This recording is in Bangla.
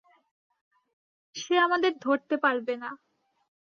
সে আমাদের ধরতে পারবে না।